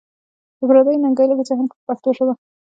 د پردیو ننګیالیو په جهان کې په پښتو ژبه.